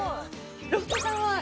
ロフトさんは？